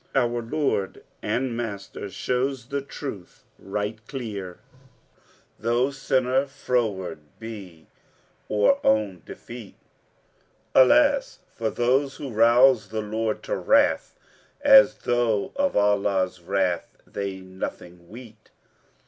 Our Lord and Master shows the truth right clear, * Though sinner froward be or own defeat: Alas[FN#465] for those who rouse the Lord to wrath, * As though of Allah's wrath they nothing weet!